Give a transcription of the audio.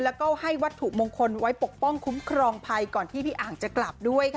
แล้วก็ให้วัตถุมงคลไว้ปกป้องคุ้มครองภัยก่อนที่พี่อ่างจะกลับด้วยค่ะ